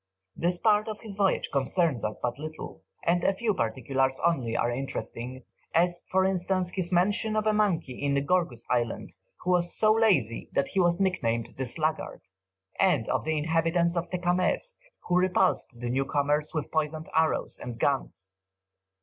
This part of his voyage concerns us but little, and a few particulars only are interesting, as, for instance, his mention of a monkey in the Gorgus Island, who was so lazy, that he was nicknamed the Sluggard, and of the inhabitants of Tecamez, who repulsed the new comers with poisoned arrows, and guns.